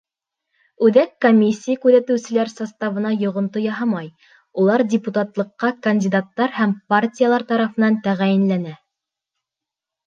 Үҙәк комиссия күҙәтеүселәр составына йоғонто яһамай — улар депутатлыҡҡа кандидаттар һәм партиялар тарафынан тәғәйенләнә.